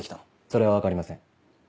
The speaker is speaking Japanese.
それは分かりません。